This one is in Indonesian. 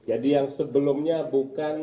jadi yang sebelumnya bukan